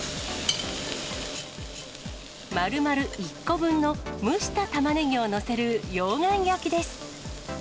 まるまる１個分の蒸したたまねぎを載せる溶岩焼きです。